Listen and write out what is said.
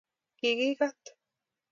Kikikat